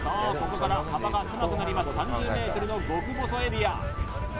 ここから幅が狭くなります３０ｍの極細エリア